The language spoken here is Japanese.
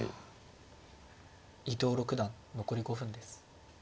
伊藤六段残り５分です。